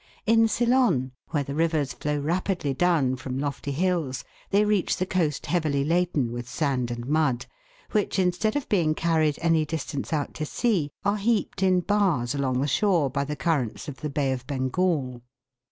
In Ceylon, where the rivers flow rapidly down from lofty hills, they reach the coast heavily laden with sand and mud, which, instead of being carried any distance out to sea, are heaped in bars along the shore by the currents of the Bay of Bengal.